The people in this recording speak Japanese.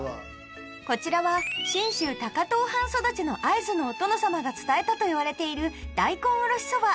こちらは信州高遠藩育ちの会津のお殿様が伝えたといわれている大根おろしそば